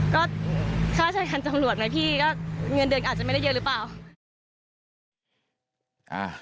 ก็ราชาสนการรบค์จำนวนไหมพี่ก็เงินเดือนอาจจะไม่ได้เยอะหรือเปล่า